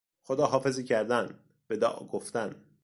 خداحافظی کردن، وداع گفتن